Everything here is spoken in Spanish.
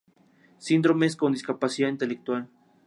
Síndromes con discapacidad intelectual.